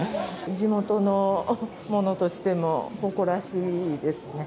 地元の者としても誇らしいですね。